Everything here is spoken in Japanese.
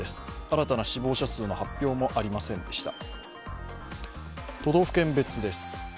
新たな死亡者数の発表もありませんでした。